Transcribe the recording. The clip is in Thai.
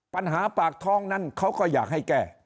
ปัญหาปากท้องนั้นเขาก็อยากให้แก้